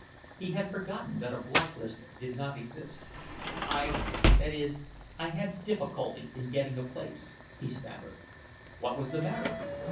He had forgotten that a blacklist did not exist. "I—that is—I had difficulty in getting a place," he stammered. "What was the matter?"